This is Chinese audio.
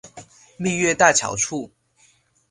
蜜月大桥处。